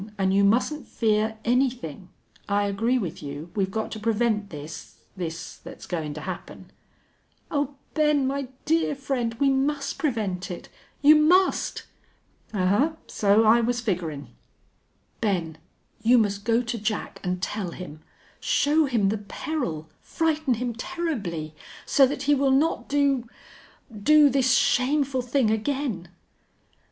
An' you mustn't fear anythin'. I agree with you we've got to prevent this this that's goin' to happen." "Oh, Ben, my dear friend, we must prevent it you must!" "Ahuh!... So I was figurin'." "Ben, you must go to Jack an' tell him show him the peril frighten him terribly so that he will not do do this shameful thing again."